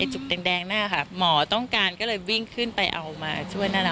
จุกแดงหน้าหมอต้องการก็เลยวิ่งขึ้นไปเอามาช่วยนั่น